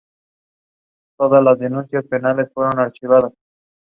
Have they got the murderer?